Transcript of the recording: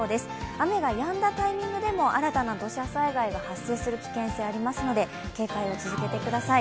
雨がやんだタイミングでも新たな土砂災害が発生する危険性、ありますので警戒を続けてください。